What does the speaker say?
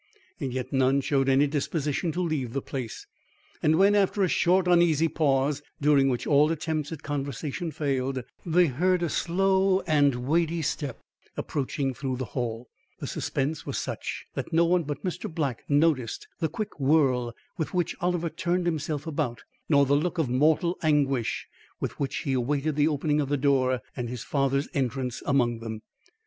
Yet none showed any disposition to leave the place; and when, after a short, uneasy pause during which all attempts at conversation failed, they heard a slow and weighty step approaching through the hall, the suspense was such that no one but Mr. Black noticed the quick whirl with which Oliver turned himself about, nor the look of mortal anguish with which he awaited the opening of the door and his father's entrance among them.